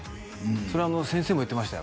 それは先生も言ってましたよ